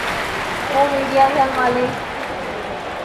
وہ میڈیاسیل والے؟